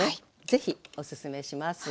ぜひおすすめします。